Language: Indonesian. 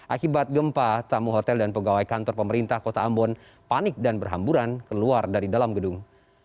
akibat gempa tamu hotel dan pegawai kantor pemerintah kota ambon panik dan berhamburan keluar dari dalam gedung